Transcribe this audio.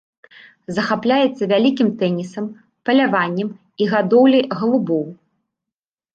Захапляецца вялікім тэнісам, паляваннем і гадоўляй галубоў.